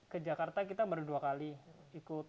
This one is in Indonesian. ke jakarta kita baru dua kali ikut